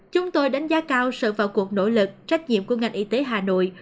chúng tôi đánh giá cao sự vào cuộc nỗ lực trách nhiệm của ngành y tế hà nội